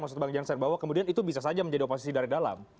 maksud bang jansen bahwa kemudian itu bisa saja menjadi oposisi dari dalam